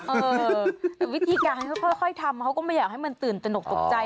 หรือวิธีการค่อยทำเขาก็ไม่อยากให้มันตื่นตนกตกใจ